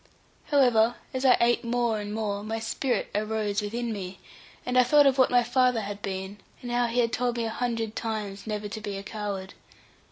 However, as I ate more and more, my spirit arose within me, and I thought of what my father had been, and how he had told me a hundred times never to be a coward.